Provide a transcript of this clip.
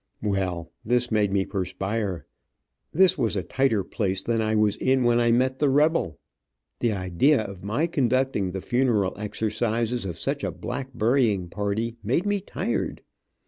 Well, this made me perspire. This was a tighter place than I was in when I met the rebel. The idea of my conducting the funeral exercises of such a black burying party, made me tired.